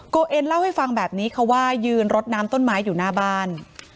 เอ็นเล่าให้ฟังแบบนี้ค่ะว่ายืนรดน้ำต้นไม้อยู่หน้าบ้าน